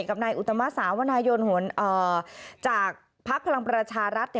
กับนายอุตมะสาวนายยนต์จากภาคพลังประรัชารัฐ